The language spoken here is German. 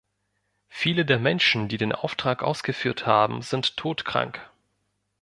Viele der Menschen, die den Auftrag ausgeführt haben, sind todkrank.